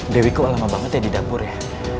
dewi kok lama banget ya di dapur ya